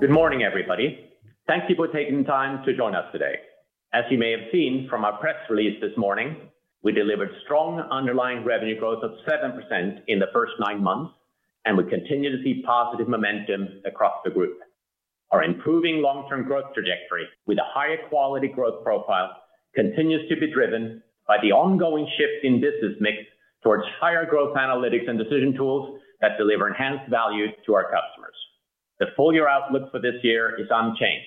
Good morning, everybody. Thank you for taking the time to join us today. As you may have seen from our press release this morning, we delivered strong underlying revenue growth of 7% in the first nine months, and we continue to see positive momentum across the group. Our improving long-term growth trajectory, with a higher quality growth profile, continues to be driven by the ongoing shift in business mix towards higher growth analytics and decision tools that deliver enhanced value to our customers. The full-year outlook for this year is unchanged,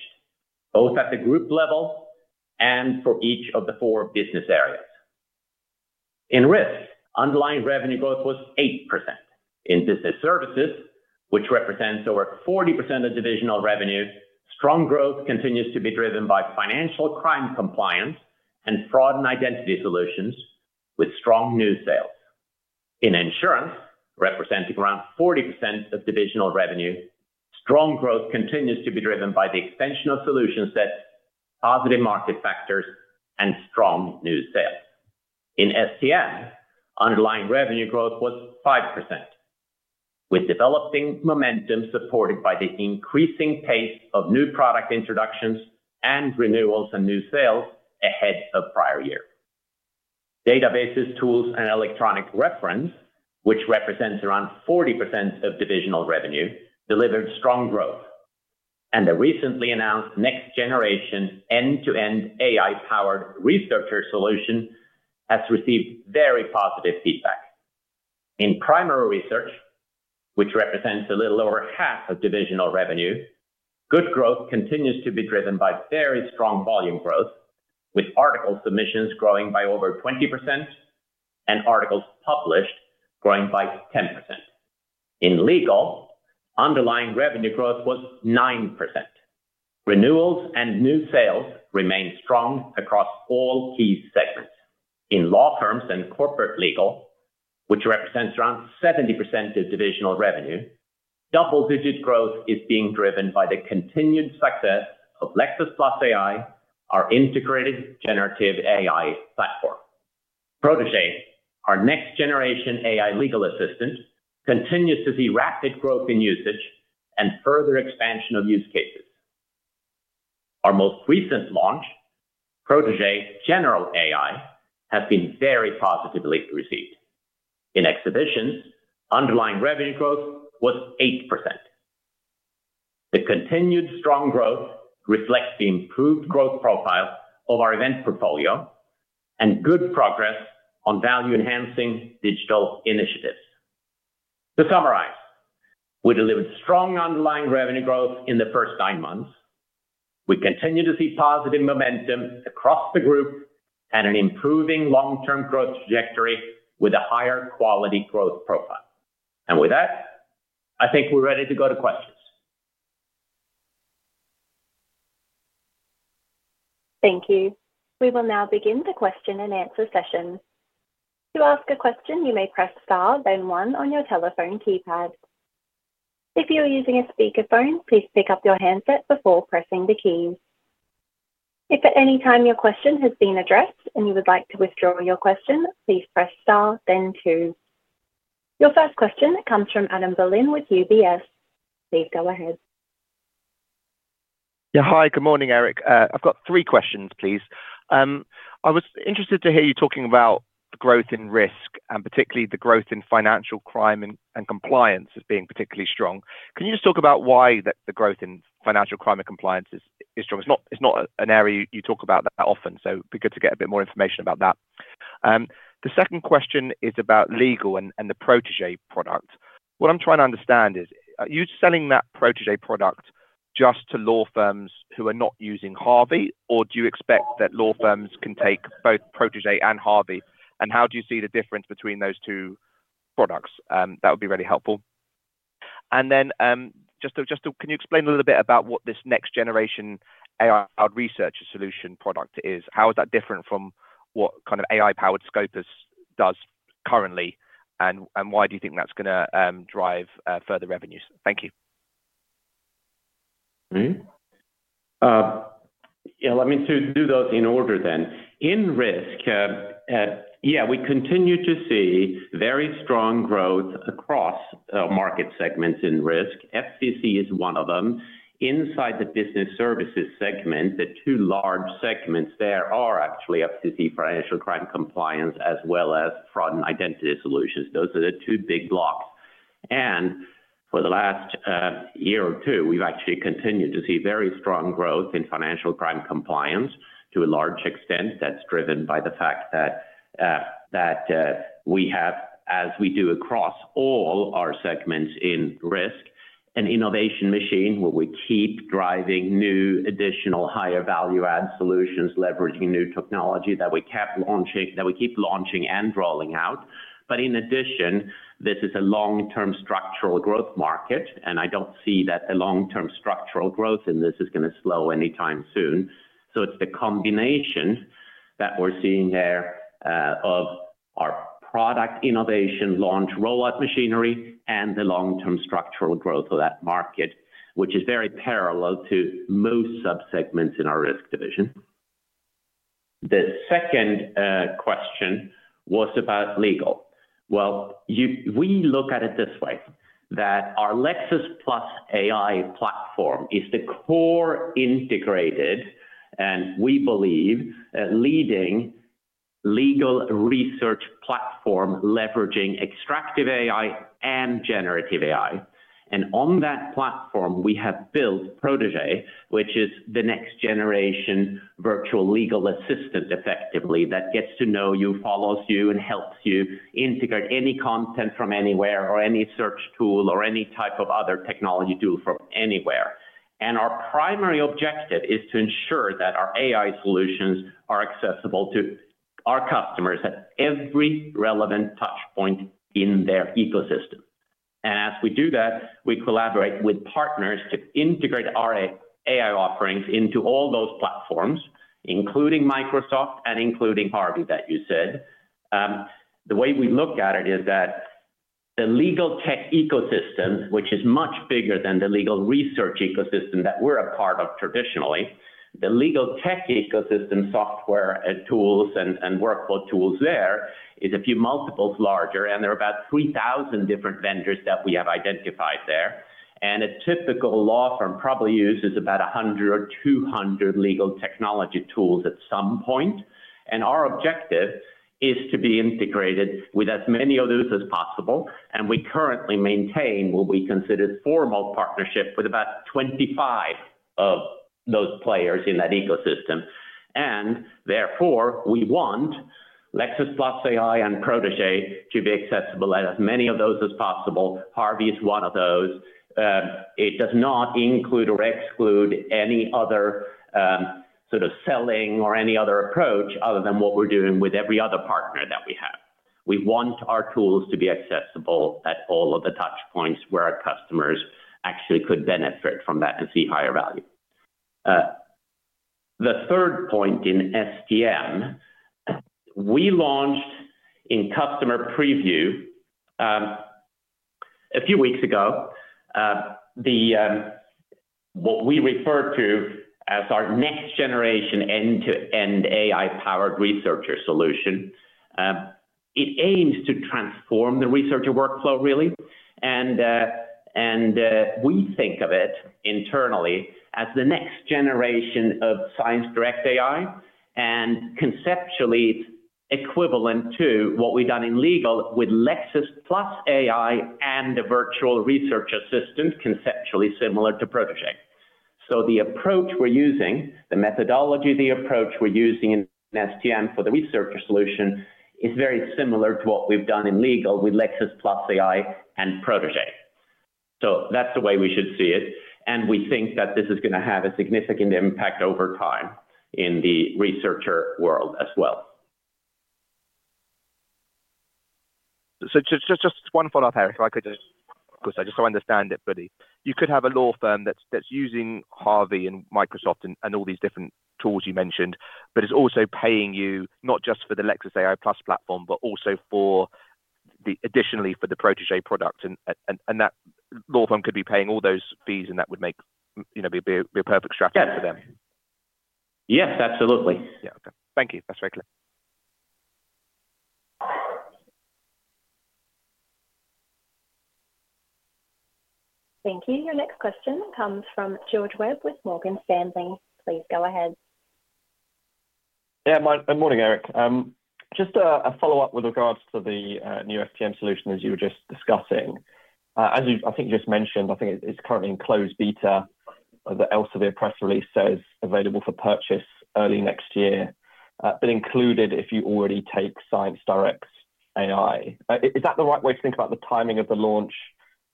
both at the group level and for each of the four business areas. In risk, underlying revenue growth was 8%. In business services, which represents over 40% of divisional revenue, strong growth continues to be driven by Financial Crime Compliance and Fraud and Identity solutions, with strong new sales. In insurance, representing around 40% of divisional revenue, strong growth continues to be driven by the expansion of solution sets, positive market factors, and strong new sales. In STM, underlying revenue growth was 5%, with developing momentum supported by the increasing pace of new product introductions and renewals and new sales ahead of prior year. Databases, tools, and electronic reference, which represents around 40% of divisional revenue, delivered strong growth. The recently announced next-generation end-to-end AI researcher solution has received very positive feedback. In primary research, which represents a little over half of divisional revenue, good growth continues to be driven by very strong volume growth, with article submissions growing by over 20% and articles published growing by 10%. In legal, underlying revenue growth was 9%. Renewals and new sales remain strong across all key segments. In law firms and corporate legal, which represents around 70% of divisional revenue, double-digit growth is being driven by the continued success of Lexis+AI, our integrated generative AI platform. Protégé, our next-generation AI legal assistant, continues to see rapid growth in usage and further expansion of use cases. Our most recent launch, Protégé General AI, has been very positively received. In exhibitions, underlying revenue growth was 8%. The continued strong growth reflects the improved growth profile of our event portfolio and good progress on value-enhancing digital initiatives. To summarize, we delivered strong underlying revenue growth in the first nine months. We continue to see positive momentum across the group and an improving long-term growth trajectory with a higher quality growth profile. I think we're ready to go to questions. Thank you. We will now begin the question and answer session. To ask a question, you may press star, then one on your telephone keypad. If you're using a speaker phone, please pick up your handset before pressing the keys. If at any time your question has been addressed and you would like to withdraw your question, please press star, then two. Your first question comes from Adam Berlin with UBS. Please go ahead. Yeah, hi. Good morning, Erik. I've got three questions, please. I was interested to hear you talking about the growth in risk and particularly the growth in Financial Crime and Compliance as being particularly strong. Can you just talk about why the growth in Financial Crime and Compliance is strong? It's not an area you talk about that often, so it'd be good to get a bit more information about that. The second question is about legal and the Protégé product. What I'm trying to understand is, are you selling that Protégé product just to law firms who are not using Harvey, or do you expect that law firms can take both Protégé and Harvey, and how do you see the difference between those two products? That would be really helpful. Can you explain a little bit about what this next-generation AI-powered research solution product is? How is that different from what kind of AI-powered scopers do currently, and why do you think that's going to drive further revenues? Thank you. Let me do those in order then. In risk, we continue to see very strong growth across market segments in risk. FCC is one of them. Inside the business services segment, the two large segments there are actually FCC Financial Crime Compliance as well as fraud and identity solutions. Those are the two big blocks. For the last year or two, we've actually continued to see very strong growth in Financial Crime Compliance to a large extent. That's driven by the fact that we have, as we do across all our segments in risk, an innovation machine where we keep driving new, additional, higher value-add solutions, leveraging new technology that we keep launching and rolling out. In addition, this is a long-term structural growth market, and I don't see that the long-term structural growth in this is going to slow anytime soon. It's the combination that we're seeing there of our product innovation launch rollout machinery and the long-term structural growth of that market, which is very parallel to most subsegments in our risk division. The second question was about legal. We look at it this way, that our Lexis+AI platform is the core integrated and we believe leading legal research platform leveraging extractive AI and generative AI. On that platform, we have built Protégé, which is the next-generation virtual legal assistant effectively that gets to know you, follows you, and helps you integrate any content from anywhere or any search tool or any type of other technology tool from anywhere. Our primary objective is to ensure that our AI solutions are accessible to our customers at every relevant touchpoint in their ecosystem. As we do that, we collaborate with partners to integrate our AI offerings into all those platforms, including Microsoft and including Harvey that you said. The way we look at it is that the legal tech ecosystem, which is much bigger than the legal research ecosystem that we're a part of traditionally, the legal tech ecosystem software tools and workflow tools there is a few multiples larger, and there are about 3,000 different vendors that we have identified there. A typical law firm probably uses about 100 or 200 legal technology tools at some point. Our objective is to be integrated with as many of those as possible. We currently maintain what we consider a formal partnership with about 25 of those players in that ecosystem. Therefore, we want Lexis+AI and Protégé to be accessible at as many of those as possible. Harvey is one of those. It does not include or exclude any other sort of selling or any other approach other than what we're doing with every other partner that we have. We want our tools to be accessible at all of the touchpoints where our customers actually could benefit from that and see higher value. The third point in STM, we launched in customer preview a few weeks ago what we refer to as our next-generation end-to-end AI-powered researcher solution. It aims to transform the researcher workflow, really. We think of it internally as the next generation of ScienceDirect AI, and conceptually, it's equivalent to what we've done in legal with Lexis+AI and the virtual research assistant, conceptually similar to Protégé. The approach we're using, the methodology, the approach we're using in STM for the researcher solution is very similar to what we've done in legal with Lexis+AI and Protégé. That's the way we should see it. We think that this is going to have a significant impact over time in the researcher world as well. Just one follow-up there, if I could, just so I understand it fully. You could have a law firm that's using Harvey and Microsoft and all these different tools you mentioned, but it's also paying you not just for the Lexis+AI platform, but also additionally for the Protégé product. That law firm could be paying all those fees, and that would be a perfect strategy for them. Yes, absolutely. Yeah, OK. Thank you. That's very clear. Thank you. Your next question comes from George Webb with Morgan Stanley. Please go ahead. Yeah, good morning, Erik. Just a follow-up with regards to the new STM solution as you were just discussing. As you, I think, just mentioned, I think it's currently in closed beta. The Elsevier press release says available for purchase early next year, but included if you already take ScienceDirect AI. Is that the right way to think about the timing of the launch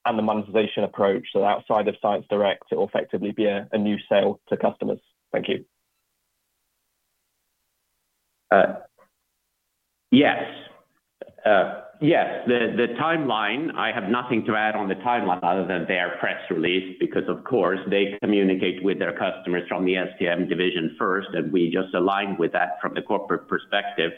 and the monetization approach? Outside of ScienceDirect, it will effectively be a new sale to customers. Thank you. Yes, the timeline, I have nothing to add on the timeline other than their press release because, of course, they communicate with their customers from the STM division first, and we just align with that from the corporate perspective.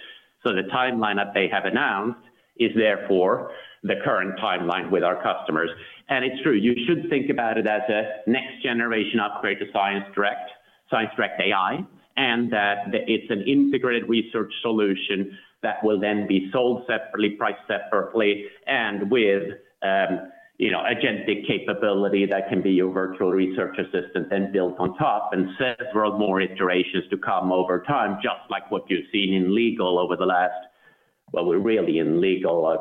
The timeline that they have announced is therefore the current timeline with our customers. It's true. You should think about it as a next-generation upgrade to ScienceDirect AI and that it's an integrated research solution that will then be sold separately, priced separately, and with agentic capability that can be your virtual research assistant then built on top and several more iterations to come over time, just like what you've seen in legal over the last, we're really in legal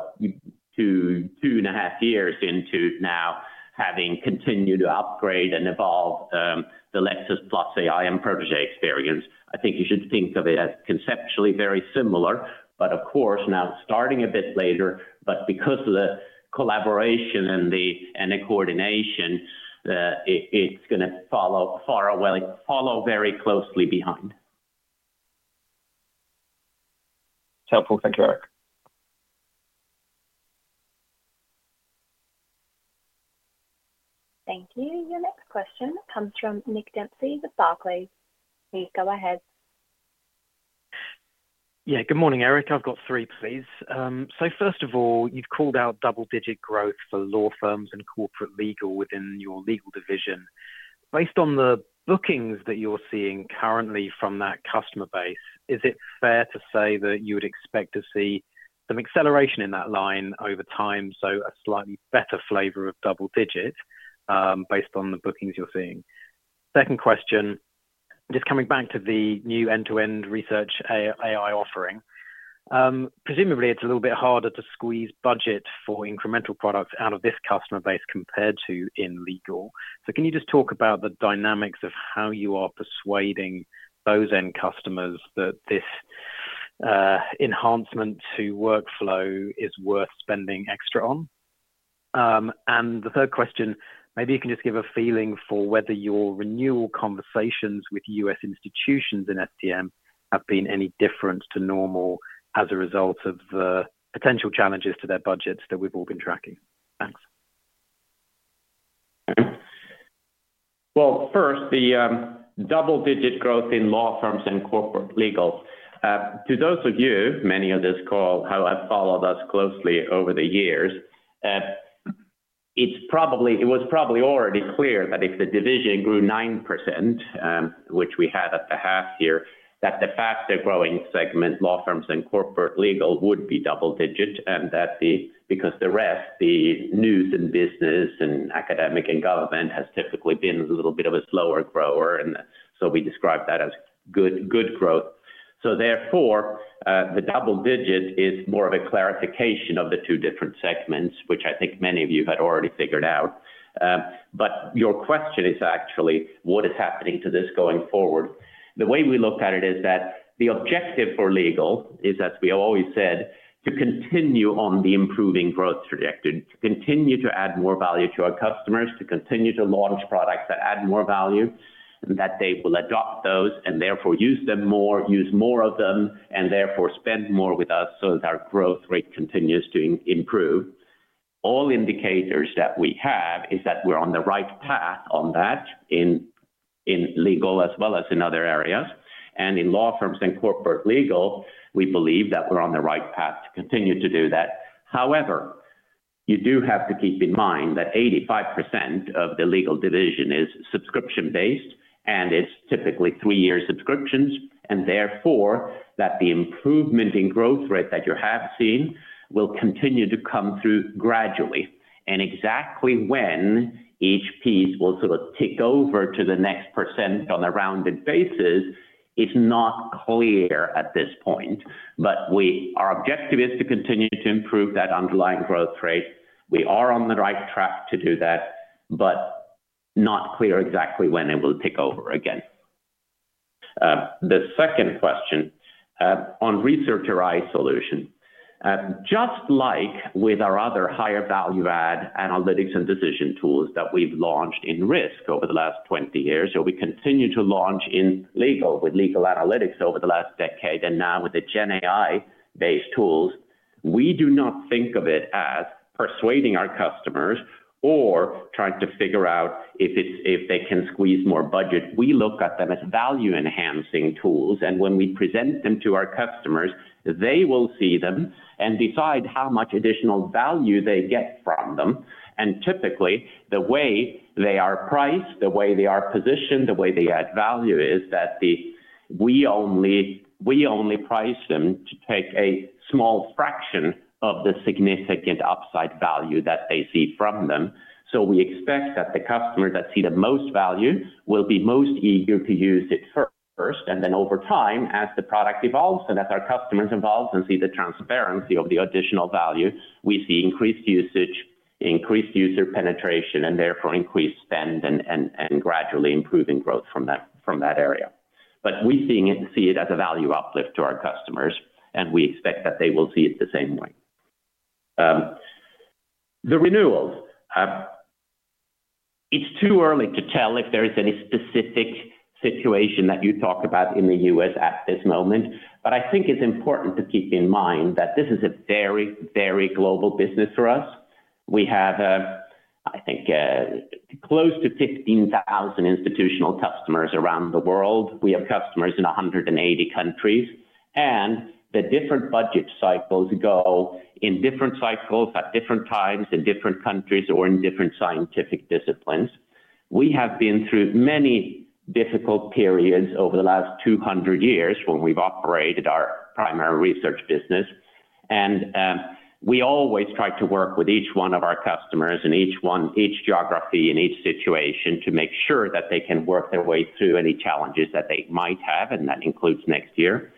two and a half years into now having continued to upgrade and evolve the Lexis+AI and Protégé experience. I think you should think of it as conceptually very similar, but of course, now starting a bit later, but because of the collaboration and the coordination, it's going to follow very closely behind. That's helpful. Thank you, Erik. Thank you. Your next question comes from Nick Dempsey with Barclays. Please go ahead. Yeah, good morning, Erik. I've got three, please. First of all, you've called out double-digit growth for law firms and corporate legal within your legal division. Based on the bookings that you're seeing currently from that customer base, is it fair to say that you would expect to see some acceleration in that line over time, a slightly better flavor of double-digit based on the bookings you're seeing? Second question, just coming back to the new end-to-end research AI offering. Presumably, it's a little bit harder to squeeze budget for incremental products out of this customer base compared to in legal. Can you just talk about the dynamics of how you are persuading those end customers that this enhancement to workflow is worth spending extra on? Third question, maybe you can just give a feeling for whether your renewal conversations with U.S. institutions in STM have been any different to normal as a result of the potential challenges to their budgets that we've all been tracking. Thanks. First, the double-digit growth in law firms and corporate legal. To those of you, many of this call, who have followed us closely over the years, it was probably already clear that if the division grew 9%, which we had at the half year, that the faster growing segment, law firms and corporate legal, would be double-digit and that because the rest, the news and business and academic and government, has typically been a little bit of a slower grower. We describe that as good growth. Therefore, the double-digit is more of a clarification of the two different segments, which I think many of you had already figured out. Your question is actually what is happening to this going forward. The way we look at it is that the objective for legal is, as we always said, to continue on the improving growth trajectory, to continue to add more value to our customers, to continue to launch products that add more value, and that they will adopt those and therefore use them more, use more of them, and therefore spend more with us so that our growth rate continues to improve. All indicators that we have is that we're on the right path on that in legal as well as in other areas. In law firms and corporate legal, we believe that we're on the right path to continue to do that. However, you do have to keep in mind that 85% of the legal division is subscription-based, and it's typically three-year subscriptions. Therefore, the improvement in growth rate that you have seen will continue to come through gradually. Exactly when each piece will sort of tick over to the next percent on a rounded basis is not clear at this point. Our objective is to continue to improve that underlying growth rate. We are on the right track to do that, but not clear exactly when it will tick over again. The second question on researcher AI solution. Just like with our other higher value-add analytics and decision tools that we've launched in risk over the last 20 years, or we continue to launch in legal with legal analytics over the last decade and now with the GenAI-based tools, we do not think of it as persuading our customers or trying to figure out if they can squeeze more budget. We look at them as value-enhancing tools. When we present them to our customers, they will see them and decide how much additional value they get from them. Typically, the way they are priced, the way they are positioned, the way they add value is that we only price them to take a small fraction of the significant upside value that they see from them. We expect that the customers that see the most value will be most eager to use it first. Over time, as the product evolves and as our customers evolve and see the transparency of the additional value, we see increased usage, increased user penetration, and therefore increased spend and gradually improving growth from that area. We see it as a value uplift to our customers, and we expect that they will see it the same way. The renewals, it's too early to tell if there is any specific situation that you talk about in the U.S. at this moment. I think it's important to keep in mind that this is a very, very global business for us. We have, I think, close to 15,000 institutional customers around the world. We have customers in 180 countries. The different budget cycles go in different cycles at different times in different countries or in different scientific disciplines. We have been through many difficult periods over the last 200 years when we've operated our primary research business. We always try to work with each one of our customers in each geography and each situation to make sure that they can work their way through any challenges that they might have, and that includes next year.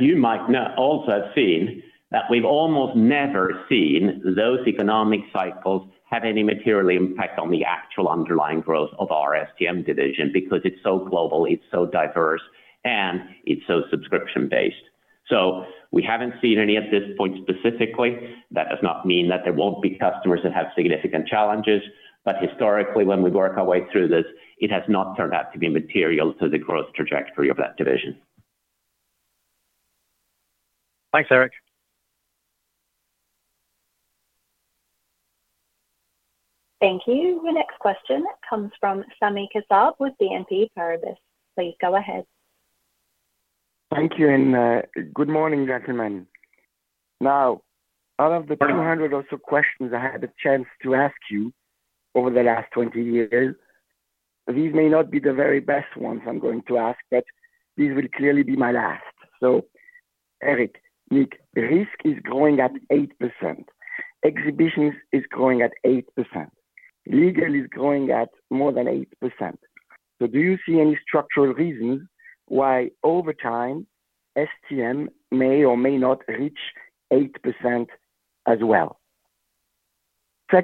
You might also have seen, we've almost never seen those economic cycles have any material impact on the actual underlying growth of our STM division because it's so global, it's so diverse, and it's so subscription-based. We haven't seen any at this point specifically. That does not mean that there won't be customers that have significant challenges. Historically, when we work our way through this, it has not turned out to be material to the growth trajectory of that division. Thanks, Erik. Thank you. The next question comes from Sami Kassab with BNP Paribas. Please go ahead. Thank you. Good morning, gentlemen. Now, out of the 200 or so questions I had the chance to ask you over the last 20 years, these may not be the very best ones I'm going to ask, but these will clearly be my last. Erik, Nick, risk is growing at 8%. Exhibitions is growing at 8%. Legal is growing at more than 8%. Do you see any structural reasons why over time STM may or may not reach 8% as well? There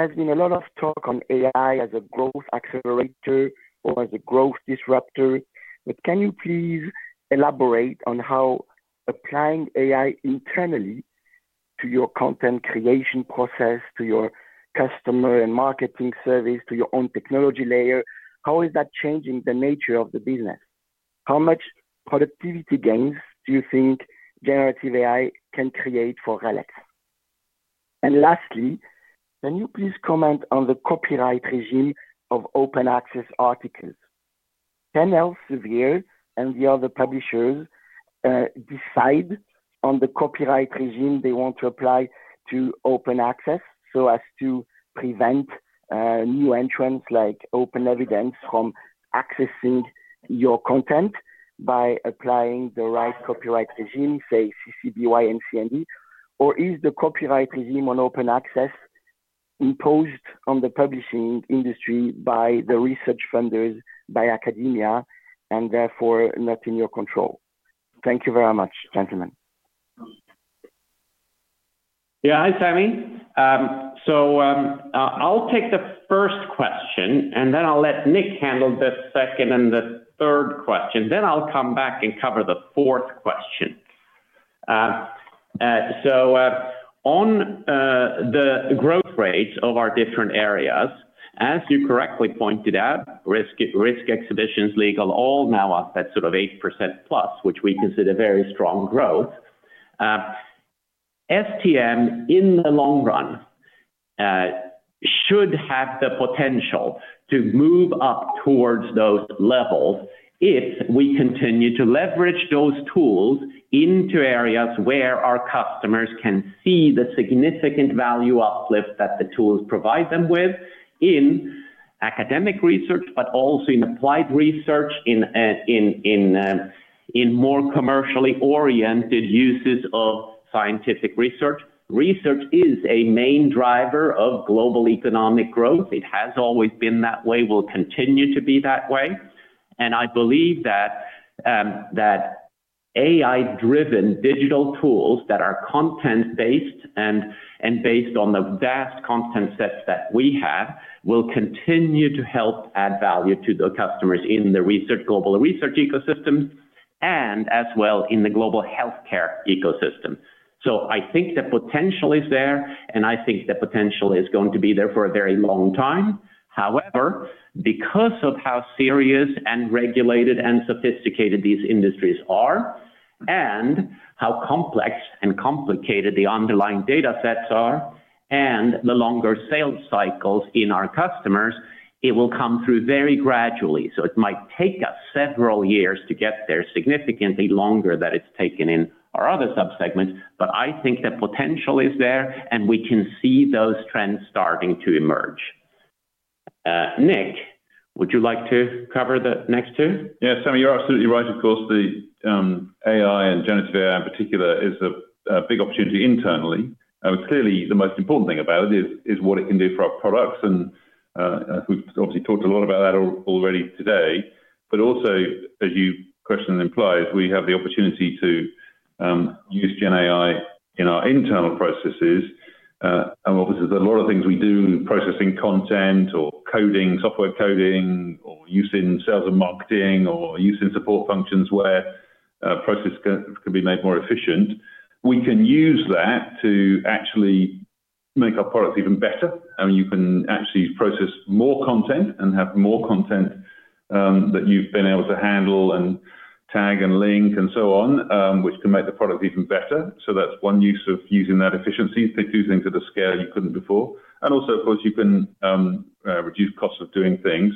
has been a lot of talk on AI as a growth accelerator or as a growth disruptor. Can you please elaborate on how applying AI internally to your content creation process, to your customer and marketing service, to your own technology layer, is changing the nature of the business? How much productivity gains do you think generative AI can create for RELX? Lastly, can you please comment on the copyright regime of open access articles? Can Elsevier and the other publishers decide on the copyright regime they want to apply to open access so as to prevent new entrants like open evidence from accessing your content by applying the right copyright regime, say CC BY-NC-ND? Or is the copyright regime on open access imposed on the publishing industry by the research funders, by academia, and therefore not in your control? Thank you very much, gentlemen. Yeah, hi, Sami. I'll take the first question, and then I'll let Nick handle the second and the third question. I'll come back and cover the fourth question. On the growth rates of our different areas, as you correctly pointed out, risk exhibitions, legal, all now up at sort of 8%+, which we consider very strong growth. STM, in the long run, should have the potential to move up towards those levels if we continue to leverage those tools into areas where our customers can see the significant value uplift that the tools provide them with in academic research, but also in applied research, in more commercially oriented uses of scientific research. Research is a main driver of global economic growth. It has always been that way, will continue to be that way. I believe that AI-driven digital tools that are content-based and based on the vast content sets that we have will continue to help add value to the customers in the global research ecosystem and as well in the global healthcare ecosystem. I think the potential is there, and I think the potential is going to be there for a very long time. However, because of how serious and regulated and sophisticated these industries are and how complex and complicated the underlying data sets are and the longer sales cycles in our customers, it will come through very gradually. It might take us several years to get there, significantly longer than it's taken in our other subsegments. I think the potential is there, and we can see those trends starting to emerge. Nick, would you like to cover the next two? Yeah, Sami, you're absolutely right. Of course, the AI and generative AI in particular is a big opportunity internally. Clearly, the most important thing about it is what it can do for our products. We've obviously talked a lot about that already today. As your question implies, we have the opportunity to use generative AI in our internal processes. Obviously, there's a lot of things we do in processing content or software coding, or use in sales and marketing, or use in support functions where processes can be made more efficient. We can use that to actually make our products even better. You can actually process more content and have more content that you've been able to handle and tag and link and so on, which can make the product even better. That's one use of using that efficiency to do things at a scale you couldn't before. Of course, you can reduce costs of doing things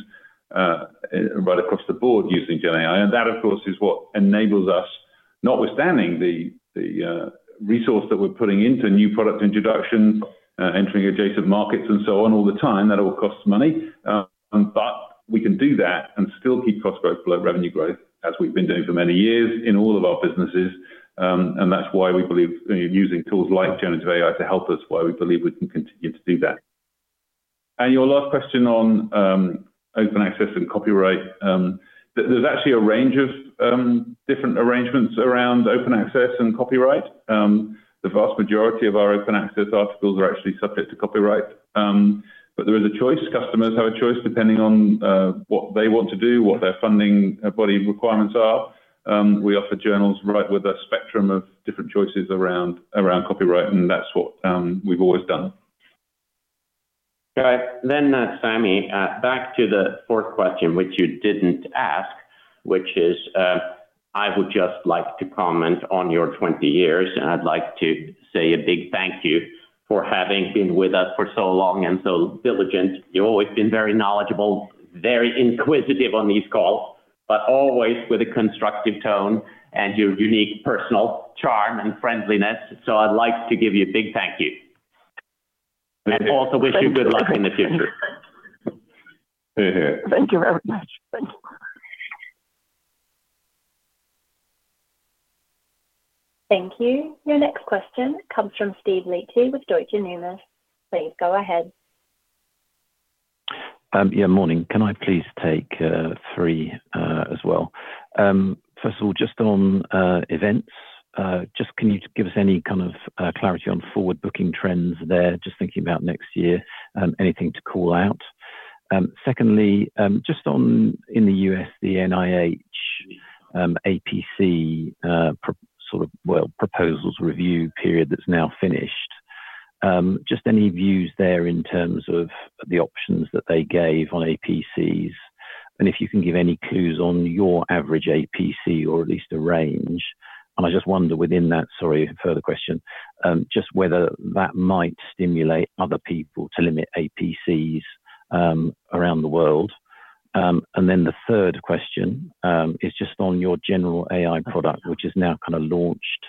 right across the board using generative AI. That is what enables us, notwithstanding the resource that we're putting into new product introductions, entering adjacent markets, and so on all the time. That all costs money. We can do that and still keep costs below revenue growth, as we've been doing for many years in all of our businesses. That's why we believe using tools like generative AI to help us, why we believe we can continue to do that. Your last question on open access and copyright, there's actually a range of different arrangements around open access and copyright. The vast majority of our open access articles are actually subject to copyright. There is a choice. Customers have a choice depending on what they want to do, what their funding body requirements are. We offer journals with a spectrum of different choices around copyright, and that's what we've always done. All right. Sami, back to the fourth question, which you didn't ask, I would just like to comment on your 20 years. I'd like to say a big thank you for having been with us for so long and so diligent. You've always been very knowledgeable, very inquisitive on these calls, always with a constructive tone and your unique personal charm and friendliness. I'd like to give you a big thank you. I also wish you good luck in the future. Thank you very much. Thank you. Your next question comes from Steve Liechti with Deutsche Numis. Please go ahead. Yeah, morning. Can I please take three as well? First of all, just on events, can you give us any kind of clarity on forward booking trends there? Just thinking about next year, anything to call out? Secondly, just on in the U.S., the NIH APC sort of proposals review period that's now finished, any views there in terms of the options that they gave on APCs? If you can give any clues on your average APC or at least a range. I just wonder within that, sorry, a further question, whether that might stimulate other people to limit APCs around the world. The third question is just on your general AI product, which is now kind of launched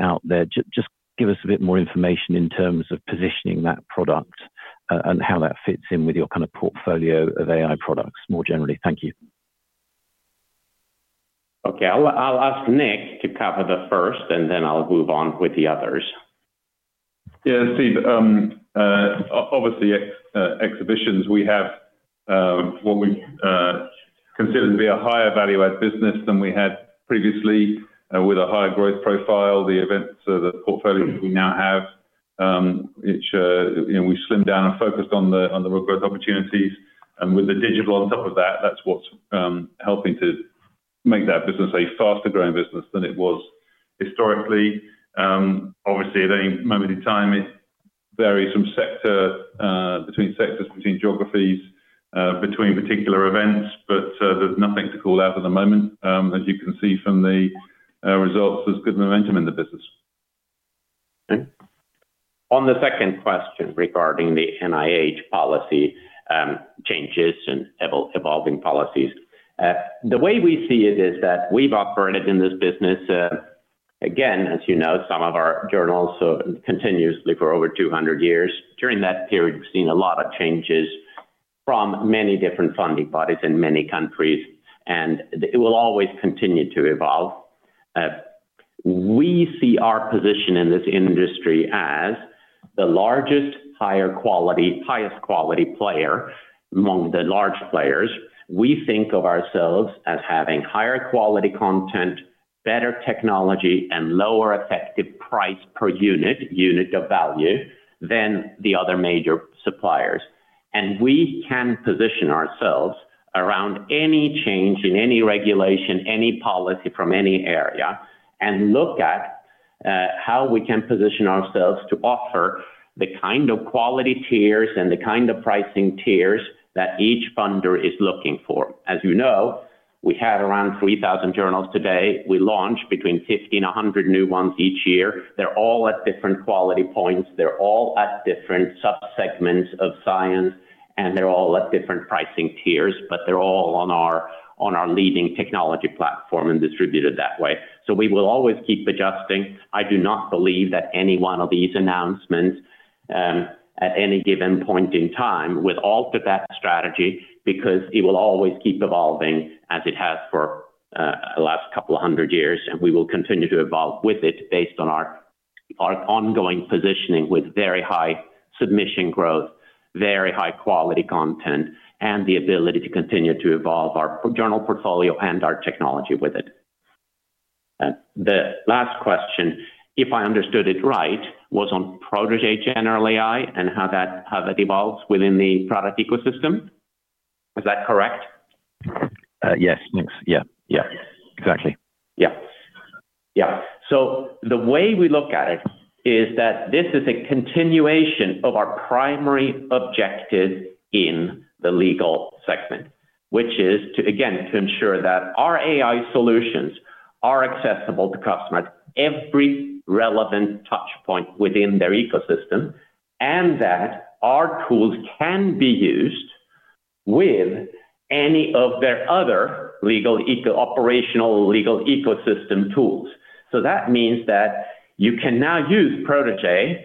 out there. Just give us a bit more information in terms of positioning that product and how that fits in with your portfolio of AI products more generally. Thank you. OK, I'll ask Nick to cover the first, and then I'll move on with the others. Yeah, Steve, obviously, exhibitions, we have what we consider to be a higher value-add business than we had previously with a higher growth profile. The events, the portfolios we now have, which we slimmed down and focused on the real growth opportunities, with the digital on top of that, that's what's helping to make that business a faster-growing business than it was historically. Obviously, at any moment in time, it varies between sectors, between geographies, between particular events. There's nothing to call out at the moment. As you can see from the results, there's good momentum in the business. On the second question regarding the NIH policy changes and evolving policies, the way we see it is that we've operated in this business, again, as you know, some of our journals continuously for over 200 years. During that period, we've seen a lot of changes from many different funding bodies in many countries, and it will always continue to evolve. We see our position in this industry as the largest, highest quality player among the large players. We think of ourselves as having higher quality content, better technology, and lower effective price per unit, unit of value, than the other major suppliers. We can position ourselves around any change in any regulation, any policy from any area, and look at how we can position ourselves to offer the kind of quality tiers and the kind of pricing tiers that each funder is looking for. As you know, we have around 3,000 journals today. We launch between 50 and 100 new ones each year. They're all at different quality points. They're all at different subsegments of science, and they're all at different pricing tiers. They're all on our leading technology platform and distributed that way. We will always keep adjusting. I do not believe that any one of these announcements at any given point in time would alter that strategy because it will always keep evolving as it has for the last couple of hundred years. We will continue to evolve with it based on our ongoing positioning with very high submission growth, very high quality content, and the ability to continue to evolve our journal portfolio and our technology with it. The last question, if I understood it right, was on Protégé General AI and how that evolves within the product ecosystem. Is that correct? Yes, thanks. Yeah, exactly. The way we look at it is that this is a continuation of our primary objective in the legal segment, which is, again, to ensure that our AI solutions are accessible to customers at every relevant touchpoint within their ecosystem and that our tools can be used with any of their other operational legal ecosystem tools. That means that you can now use Protégé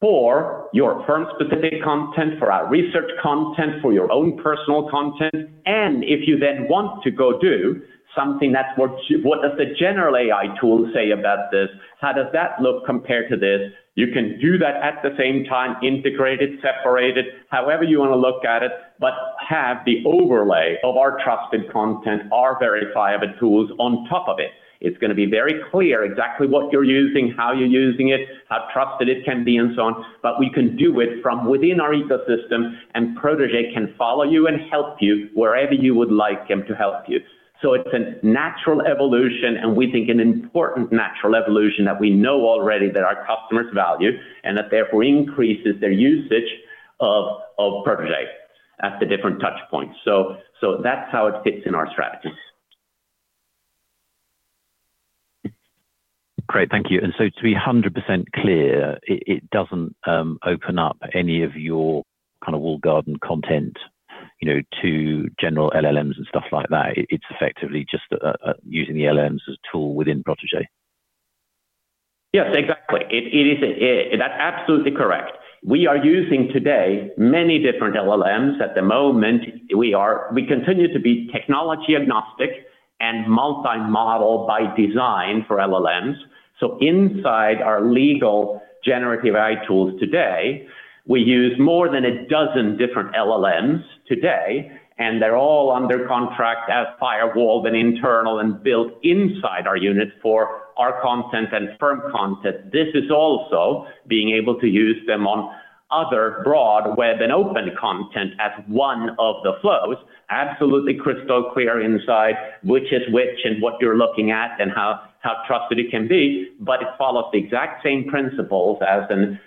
for your firm-specific content, for our research content, for your own personal content. If you then want to go do something, that's what does the general AI tool say about this? How does that look compared to this? You can do that at the same time, integrated, separated, however you want to look at it, but have the overlay of our trusted content, our verifiable tools on top of it. It's going to be very clear exactly what you're using, how you're using it, how trusted it can be, and so on. We can do it from within our ecosystem, and Protégé can follow you and help you wherever you would like them to help you. It's a natural evolution, and we think an important natural evolution that we know already that our customers value and that therefore increases their usage of Protégé at the different touchpoints. That's how it fits in our strategy. Thank you. To be 100% clear, it doesn't open up any of your kind of walled garden content to general LLMs and stuff like that. It's effectively just using the LLMs as a tool within Protégé. Yes, exactly. That's absolutely correct. We are using today many different LLMs. At the moment, we continue to be technology-agnostic and multi-model by design for LLMs. Inside our legal generative AI tools today, we use more than a dozen different LLMs, and they're all under contract as firewalled and internal and built inside our units for our content and firm content. This is also being able to use them on other broad web and open content as one of the flows, absolutely crystal clear inside which is which and what you're looking at and how trusted it can be. It follows the exact same principles as an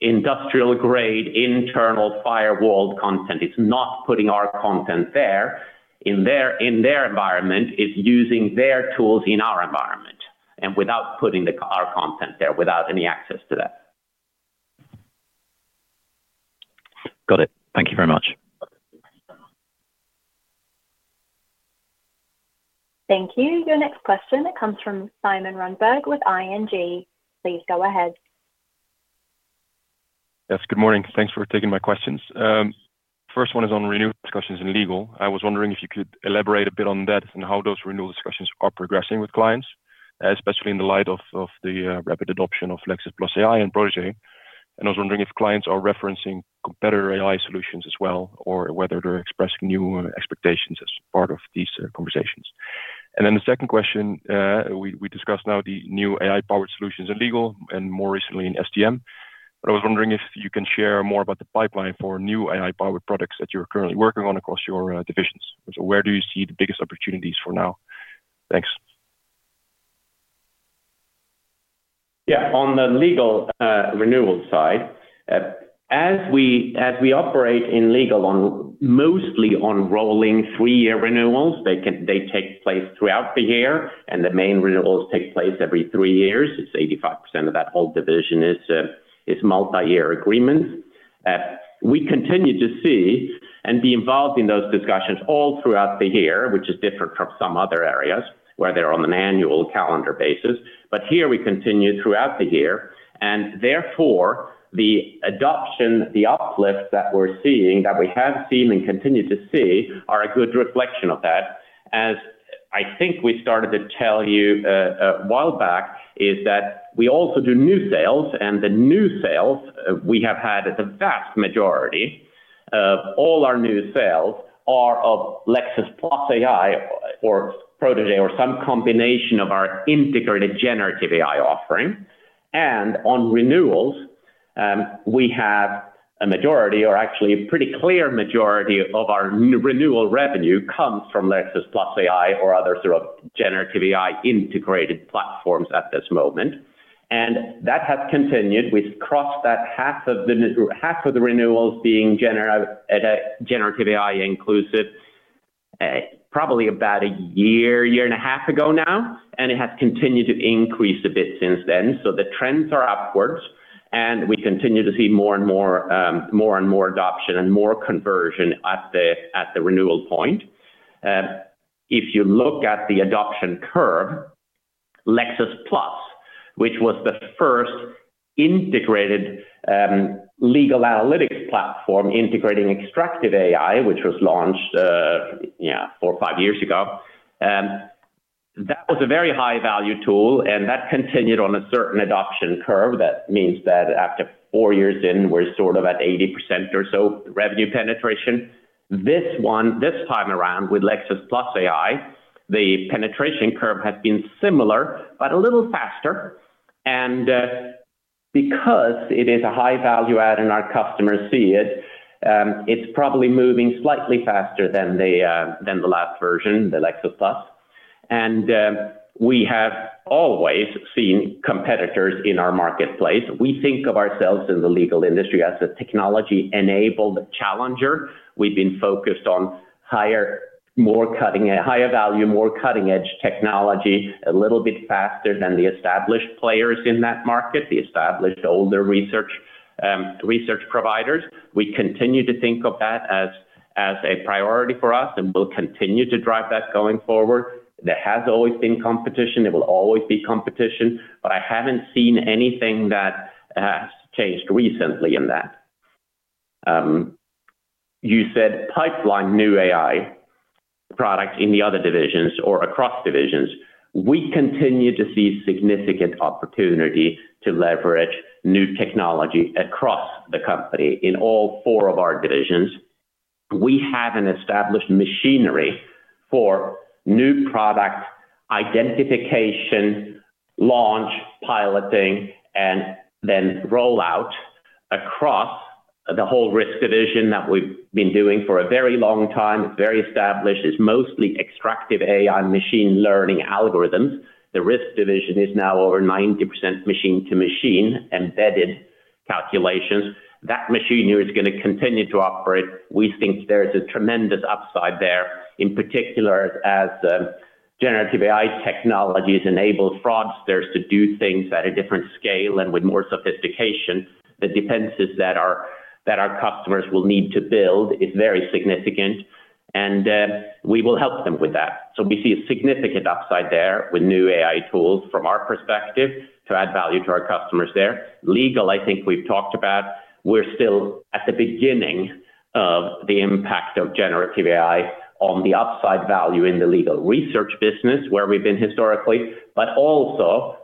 industrial-grade internal firewalled content. It's not putting our content there. In their environment, it's using their tools in our environment and without putting our content there, without any access to that. Got it. Thank you very much. Thank you. Your next question, it comes from Thymen Rundberg with ING. Please go ahead. Yes, good morning. Thanks for taking my questions. First one is on renewal discussions in legal. I was wondering if you could elaborate a bit on that and how those renewal discussions are progressing with clients, especially in the light of the rapid adoption of Lexis+AI and Protégé. I was wondering if clients are referencing competitor AI solutions as well or whether they're expressing new expectations as part of these conversations. The second question, we discussed now the new AI-powered solutions in legal and more recently in STM. I was wondering if you can share more about the pipeline for new AI-powered products that you're currently working on across your divisions. Where do you see the biggest opportunities for now? Thanks. Yeah, on the legal renewal side, as we operate in legal mostly on rolling three-year renewals, they take place throughout the year, and the main renewals take place every three years. It's 85% of that whole division is multi-year agreements. We continue to see and be involved in those discussions all throughout the year, which is different from some other areas where they're on an annual calendar basis. Here we continue throughout the year. Therefore, the adoption, the uplift that we're seeing, that we have seen and continue to see, are a good reflection of that. As I think we started to tell you a while back, we also do new sales. The new sales we have had, the vast majority of all our new sales are of Lexis+AI or Protégé or some combination of our integrated generative AI offering. On renewals, we have a majority, or actually a pretty clear majority of our renewal revenue comes from Lexis+AI or other sort of generative AI integrated platforms at this moment. That has continued. We've crossed that half of the renewals being generative AI inclusive probably about a year, year and a half ago now. It has continued to increase a bit since then. The trends are upwards. We continue to see more and more adoption and more conversion at the renewal point. If you look at the adoption curve, Lexis+, which was the first integrated legal analytics platform integrating extractive AI, which was launched four or five years ago, that was a very high-value tool. That continued on a certain adoption curve. That means that after four years in, we're sort of at 80% or so revenue penetration. This one, this time around with Lexis+AI, the penetration curve has been similar, but a little faster. Because it is a high value add and our customers see it, it's probably moving slightly faster than the last version, the Lexis+. We have always seen competitors in our marketplace. We think of ourselves in the legal industry as a technology-enabled challenger. We've been focused on higher value, more cutting-edge technology, a little bit faster than the established players in that market, the established older research providers. We continue to think of that as a priority for us and will continue to drive that going forward. There has always been competition. There will always be competition. I haven't seen anything that has changed recently in that. You said pipeline new AI products in the other divisions or across divisions. We continue to see significant opportunity to leverage new technology across the company in all four of our divisions. We have an established machinery for new product identification, launch, piloting, and then rollout across the whole risk division that we've been doing for a very long time. It's very established. It's mostly extractive AI machine learning algorithms. The risk division is now over 90% machine-to-machine embedded calculations. That machinery is going to continue to operate. We think there's a tremendous upside there, in particular as generative AI technologies enable fraudsters to do things at a different scale and with more sophistication. The defenses that our customers will need to build are very significant. We will help them with that. We see a significant upside there with new AI tools from our perspective to add value to our customers there. Legal, I think we've talked about. We're still at the beginning of the impact of generative AI on the upside value in the legal research business where we've been historically.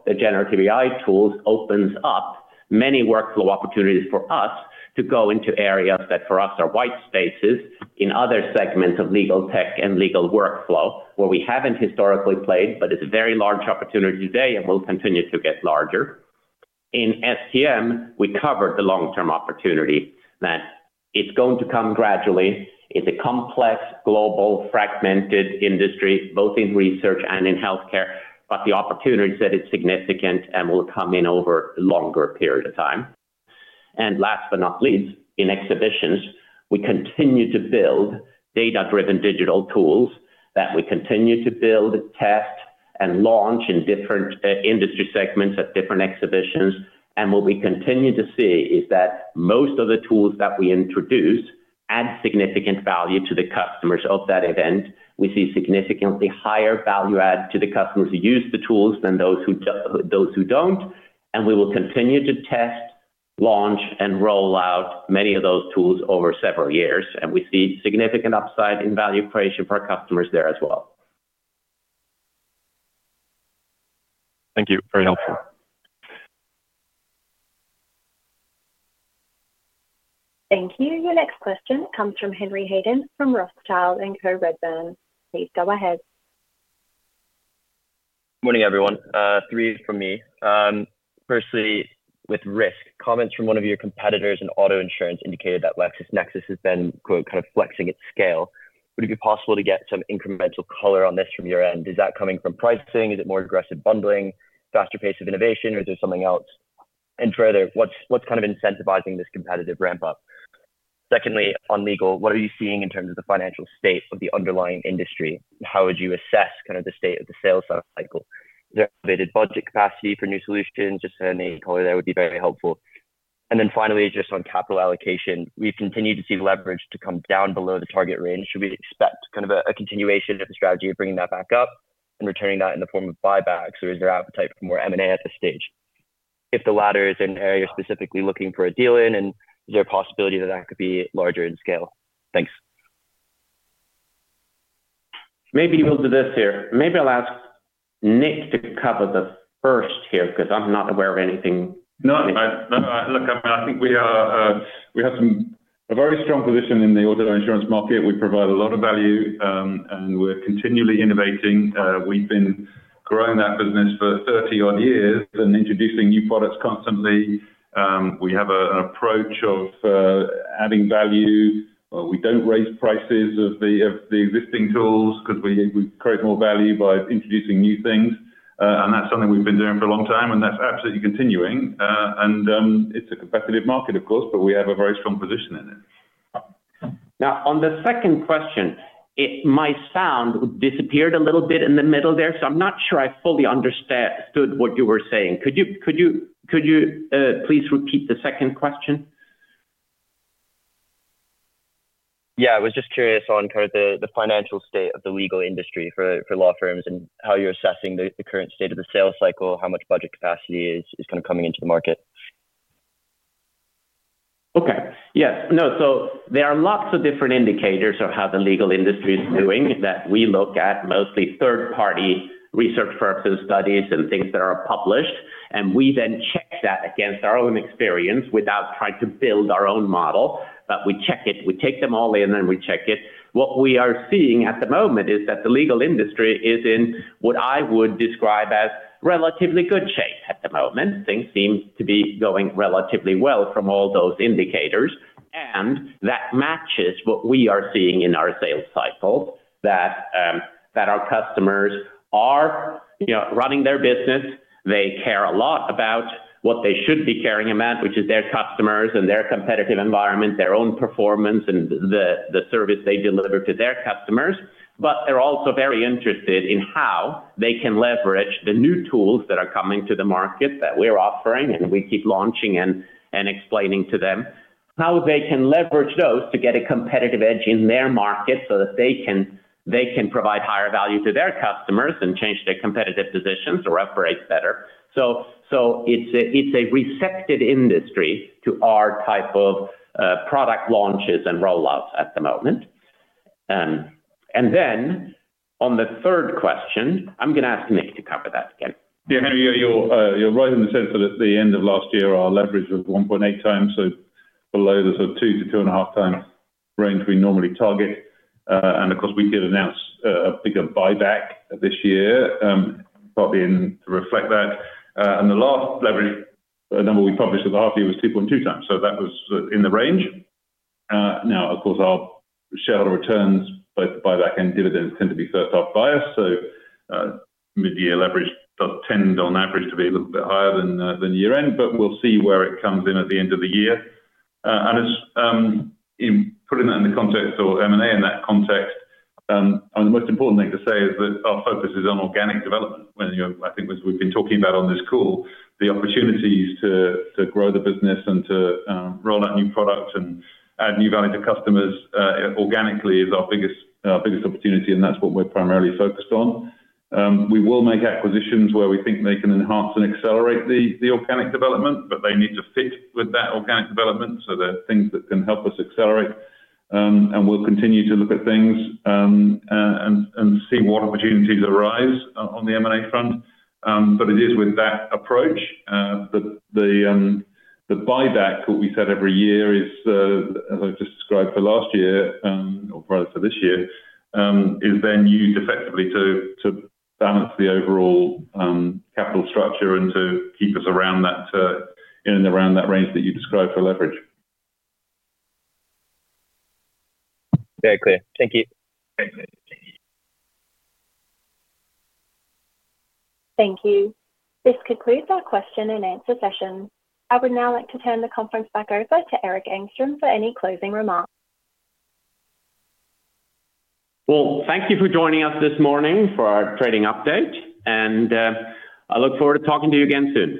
The generative AI tools open up many workflow opportunities for us to go into areas that for us are white spaces in other segments of legal tech and legal workflow where we haven't historically played, but it's a very large opportunity today and will continue to get larger. In STM, we covered the long-term opportunity that it's going to come gradually. It's a complex, global, fragmented industry, both in research and in healthcare. The opportunity is that it's significant and will come in over a longer period of time. Last but not least, in exhibitions, we continue to build data-driven digital tools that we continue to build, test, and launch in different industry segments at different exhibitions. What we continue to see is that most of the tools that we introduce add significant value to the customers of that event. We see significantly higher value add to the customers who use the tools than those who don't. We will continue to test, launch, and roll out many of those tools over several years. We see significant upside in value creation for our customers there as well. Thank you. Very helpful. Thank you. Your next question comes from Henry Hayden from Rothschild & Co Redburn. Please go ahead. Morning, everyone. Three from me. Firstly, with risk, comments from one of your competitors in auto insurance indicated that LexisNexis has been, quote, kind of flexing its scale. Would it be possible to get some incremental color on this from your end? Is that coming from pricing? Is it more aggressive bundling, faster pace of innovation, or is there something else? Further, what's kind of incentivizing this competitive ramp-up? Secondly, on legal, what are you seeing in terms of the financial state of the underlying industry? How would you assess kind of the state of the sales cycle? Is there an elevated budget capacity for new solutions? Any color there would be very helpful. Finally, just on capital allocation, we continue to see leverage come down below the target range. Should we expect kind of a continuation of the strategy of bringing that back up and returning that in the form of buybacks, or is there appetite for more M&A at this stage? If the latter, is there an area you're specifically looking for a deal in, and is there a possibility that that could be larger in scale? Thanks. Maybe I'll ask Nick to cover the first here because I'm not aware of anything. No, no, look, I mean, I think we have a very strong position in the auto insurance market. We provide a lot of value, and we're continually innovating. We've been growing that business for 30-odd years and introducing new products constantly. We have an approach of adding value. We don't raise prices of the existing tools because we create more value by introducing new things. That's something we've been doing for a long time, and that's absolutely continuing. It's a competitive market, of course, but we have a very strong position in it. Now, on the second question, it might sound it disappeared a little bit in the middle there. I'm not sure I fully understood what you were saying. Could you please repeat the second question? I was just curious on kind of the financial state of the legal industry for law firms and how you're assessing the current state of the sales cycle, how much budget capacity is kind of coming into the market. OK, yes. There are lots of different indicators of how the legal industry is doing that we look at, mostly third-party research purposes, studies, and things that are published. We then check that against our own experience without trying to build our own model. We check it. We take them all in, and we check it. What we are seeing at the moment is that the legal industry is in what I would describe as relatively good shape at the moment. Things seem to be going relatively well from all those indicators. That matches what we are seeing in our sales cycles, that our customers are running their business. They care a lot about what they should be caring about, which is their customers and their competitive environment, their own performance, and the service they deliver to their customers. They are also very interested in how they can leverage the new tools that are coming to the market that we are offering and we keep launching and explaining to them, how they can leverage those to get a competitive edge in their market so that they can provide higher value to their customers and change their competitive positions or operate better. It is a receptive industry to our type of product launches and rollouts at the moment. On the third question, I am going to ask Nick to cover that again. Yeah, Henry, you're right in the sense that at the end of last year, our leverage was 1.8x, so below the sort of 2x-2.5x range we normally target. Of course, we did announce a bigger buyback this year, partly to reflect that. The last leverage number we published at the half year was 2.2 times, so that was in the range. Our shareholder returns, both the buyback and dividends, tend to be first half biased. Mid-year leverage does tend, on average, to be a little bit higher than year-end. We'll see where it comes in at the end of the year. In putting that in the context or M&A in that context, the most important thing to say is that our focus is on organic development. I think as we've been talking about on this call, the opportunities to grow the business and to roll out new products and add new value to customers organically is our biggest opportunity, and that's what we're primarily focused on. We will make acquisitions where we think they can enhance and accelerate the organic development, but they need to fit with that organic development. There are things that can help us accelerate, and we'll continue to look at things and see what opportunities arise on the M&A front. It is with that approach that the buyback, what we said every year, as I just described for last year or rather for this year, is then used effectively to balance the overall capital structure and to keep us in and around that range that you described for leverage. Very clear. Thank you. Thank you. This concludes our question and answer session. I would now like to turn the conference back over to Erik Engstrom for any closing remarks. Thank you for joining us this morning for our trading update. I look forward to talking to you again soon.